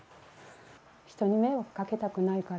人に迷惑かけたくないから。